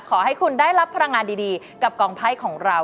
ขอให้คุณได้รับพลังงานดีกับกองไพ่ของเรา